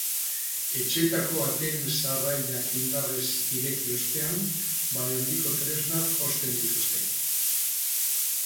Etxeetako ateen sarrailak indarrez ireki ostean, balio handiko tresnak osten dituzte.